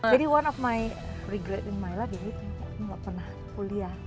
jadi one of my regret in my life ini tuh gak pernah kuliah